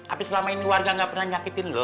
apa selama ini warga gak pernah nyakitin lo